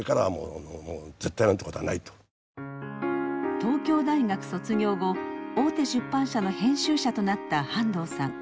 東京大学卒業後大手出版社の編集者となった半藤さん。